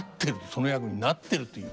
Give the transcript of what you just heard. その役になってるという。